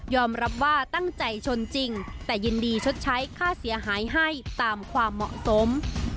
รับว่าตั้งใจชนจริงแต่ยินดีชดใช้ค่าเสียหายให้ตามความเหมาะสม